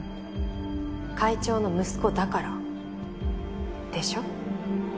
会長の息子だからでしょ？